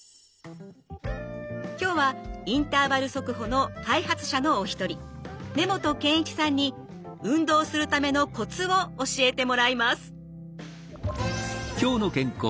今日はインターバル速歩の開発者のお一人根本賢一さんに運動するためのコツを教えてもらいます。